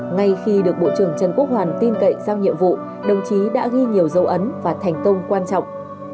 ngay khi được bộ trưởng trần quốc hoàn tin cậy giao nhiệm vụ đồng chí đã ghi nhiều dấu ấn và thành công quan trọng